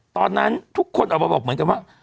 ตอนนั้นทุกคนออกมาบอกเหมือนกันว่า